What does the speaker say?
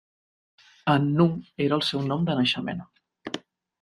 Annu era el seu nom de naixement.